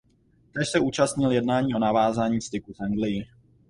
Též se účastnil jednání o navázání styků s Anglií.